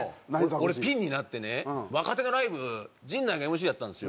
俺ピンになってね若手がライブ陣内がＭＣやったんですよ。